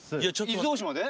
伊豆大島で？